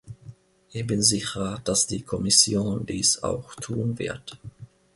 Ich bin sicher, dass die Kommission dies auch tun wird.